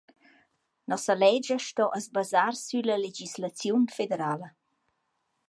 Nossa ledscha sto as basar sülla legislaziun federala.